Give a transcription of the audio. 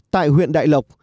tại huyện đại lộc